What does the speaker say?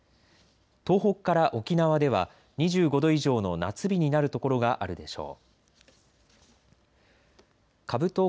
東北から沖縄では２５度以上の夏日になる所があるでしょう。